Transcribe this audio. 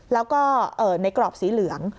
แล้วก็ในกรอบสีเหลือง